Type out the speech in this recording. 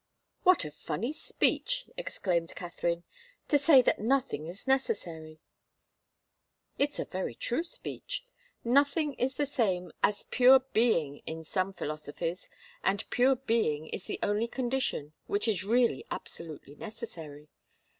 "What a funny speech!" exclaimed Katharine. "To say that nothing is necessary " "It's a very true speech. Nothing is the same as Pure Being in some philosophies, and Pure Being is the only condition which is really absolutely necessary.